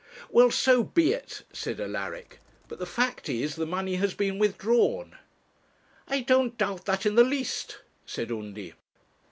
'Well, so be it,' said Alaric; 'but the fact is, the money has been withdrawn.' 'I don't doubt that in the least,' said Undy.